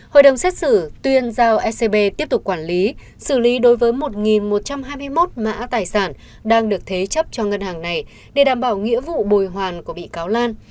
hội đồng xét xử tuyên giao ecb tiếp tục quản lý xử lý đối với một một trăm hai mươi một mã tài sản đang được thế chấp cho ngân hàng này để đảm bảo nghĩa vụ bồi hoàn của bị cáo lan